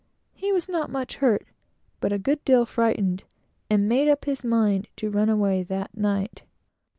He was not much hurt, but a good deal frightened, and made up his mind to run away that very night.